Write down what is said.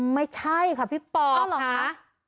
ไม่ใช่ค่ะพี่ปอบค่ะ